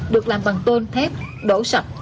được làm bằng tôn thép đổ sập